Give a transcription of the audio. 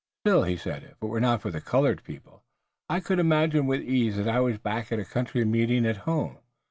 "Still," he said, "if it were not for the colored people I could imagine with ease that I was back at a country meeting at home.